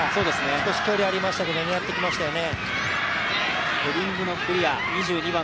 少し距離ありましたけど狙ってきましたね。